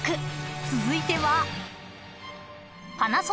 ［続いては］